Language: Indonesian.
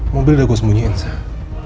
mobil udah gue sembunyiin saya